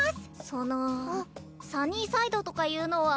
そのサニーサイドとかいうのは。